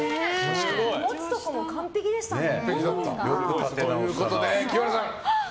持つところも完璧でしたね。